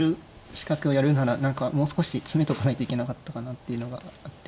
仕掛けをやるならもう少し詰めとかないといけなかったかなっていうのがあって。